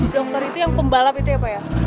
dokter itu yang pembalap itu ya pak ya